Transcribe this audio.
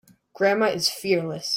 Grandma is fearless.